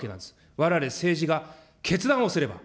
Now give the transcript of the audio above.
われわれ政治が決断をすれば。